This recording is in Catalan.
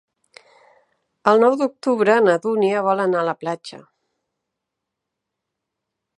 El nou d'octubre na Dúnia vol anar a la platja.